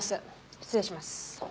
失礼します。